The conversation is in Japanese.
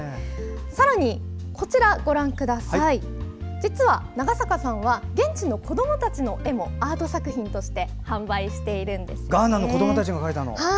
さらに、こちら実は長坂さんは現地の子どもたちの絵もアート作品として販売しているんです。